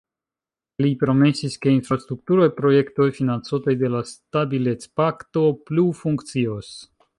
Li promesis, ke infrastrukturaj projektoj, financotaj de la Stabilecpakto, plu funkcios.